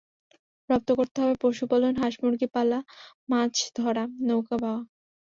রপ্ত করতে হবে পশুপালন, হাঁস মুরগি পালা, মাছ ধরা, নৌকা বাওয়া।